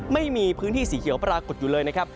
ไม่มีพื้นที่สีเขียวปรากฏอยู่เลยนะครับ